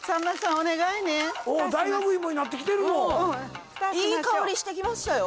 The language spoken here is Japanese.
おおいい香りしてきましたよ